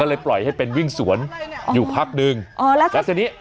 เลยปล่อยให้เป็นวิ่งสวนอยู่พักหนึ่งอ๋อแล้วค่ะแล้วทีนี้